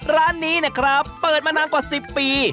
ร้านนี้นะครับเปิดมานานกว่า๑๐ปี